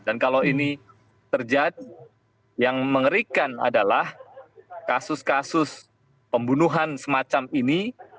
dan kalau ini terjadi yang mengerikan adalah kasus kasus pembunuhan semacam ini